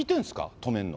止めるの。